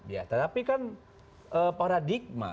ya tapi kan paradigma